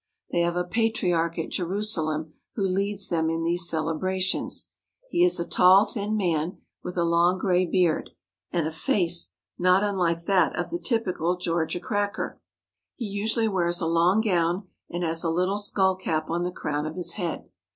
They have a Patriarch at Jerusalem who leads them in these cele brations. He is a tall, thin man with a long gray beard and a face not unlike that of the typical Georgia cracker. He usually wears a long gown and has a little skull cap on the crown of his head.